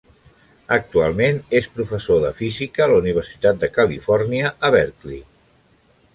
Actualment és professor de física a la Universitat de Califòrnia a Berkeley.